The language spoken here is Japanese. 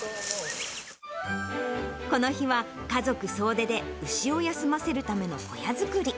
この日は、家族総出で牛を休ませるための小屋作り。